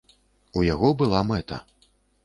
У яго была мэта.